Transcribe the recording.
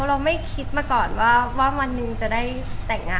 เราไม่คิดมาก่อนว่าวันหนึ่งจะได้แต่งงาน